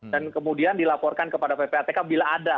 dan kemudian dilaporkan kepada ppatk bila ada